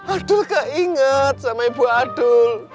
adul keinget sama ibu adul